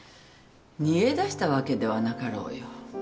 逃げ出したわけではなかろうよ。